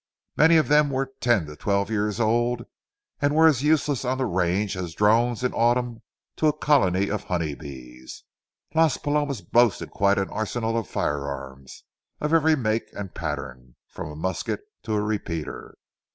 Many of them were ten to twelve years old, and were as useless on the range as drones in autumn to a colony of honey bees. Las Palomas boasted quite an arsenal of firearms, of every make and pattern, from a musket to a repeater.